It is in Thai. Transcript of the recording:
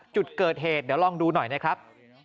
จุดเกิดเหตุเดี๋ยวลองดูหน่อยนะครับ